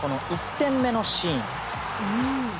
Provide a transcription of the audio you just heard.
１点目のシーン。